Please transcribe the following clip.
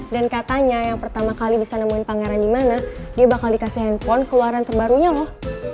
dan katanya yang pertama kali bisa nemuin pangeran di mana dia bakal dikasih handphone keluaran terbarunya loh